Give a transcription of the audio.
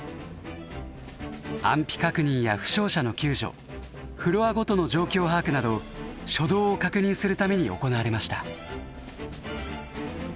安否確認や負傷者の救助フロアごとの状況把握など初動を確認するために行われました。